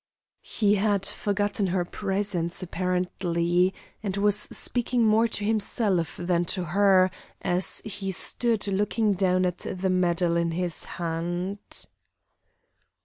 He had forgotten her presence apparently, and was speaking more to himself than to her as he stood looking down at the medal in his hand.